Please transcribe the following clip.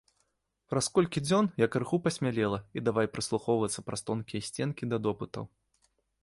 Праз колькі дзён я крыху пасмялела і давай прыслухоўвацца праз тонкія сценкі да допытаў.